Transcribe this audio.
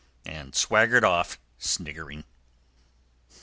and swaggered off, sniggering.